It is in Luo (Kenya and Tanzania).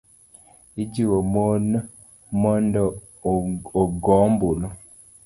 ijiwo mon mondo ogo ombulu.